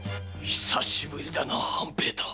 久しぶりだな半平太！